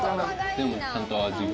でもちゃんと味が。